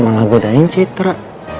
malah bodain citra